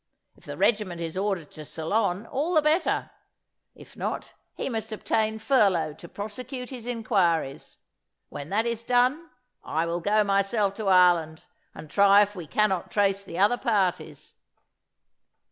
If the regiment is ordered to Ceylon, all the better: if not, he must obtain furlough to prosecute his inquiries. When that is done, I will go myself to Ireland, and try if we cannot trace the other parties."